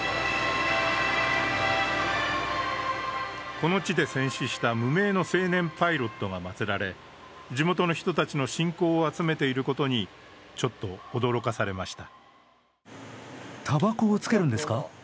この地で戦死した無名の青年パイロットが祭られ地元の人たちの信仰を集めていることに、ちょっと驚かされました。